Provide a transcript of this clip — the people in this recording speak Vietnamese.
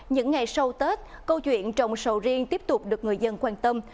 những ngày sau tết câu chuyện trồng sầu riêng tiếp tục được người dân quan tâm